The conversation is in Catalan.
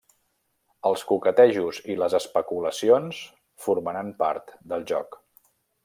Els coquetejos i les especulacions formaran part del joc.